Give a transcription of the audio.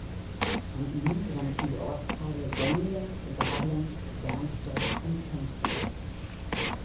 An ihn grenzen die Ortsteile Sonnenberg, Gablenz, Bernsdorf und Zentrum.